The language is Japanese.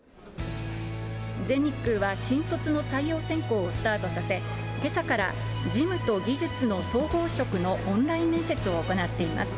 全日空は、新卒の採用選考をスタートさせ、けさから事務と技術の総合職のオンライン面接を行っています。